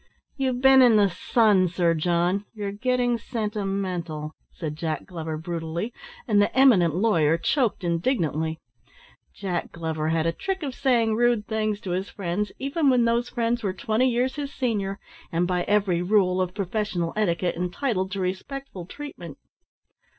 "You've been in the sun, Sir John you're getting sentimental," said Jack Glover brutally, and the eminent lawyer choked indignantly. Jack Glover had a trick of saying rude things to his friends, even when those friends were twenty years his senior, and by every rule of professional etiquette entitled to respectful treatment.